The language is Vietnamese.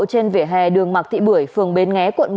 trên vỉa hè đường mạc thị bưởi phường bến nghé quận một